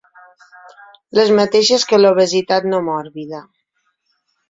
Les mateixes que l'obesitat no mòrbida.